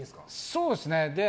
そうですね。